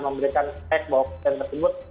memberikan teks bahwa konten tersebut